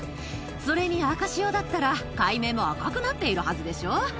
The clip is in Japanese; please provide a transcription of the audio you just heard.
それに赤潮だったら、海面も赤くなっているはずでしょ。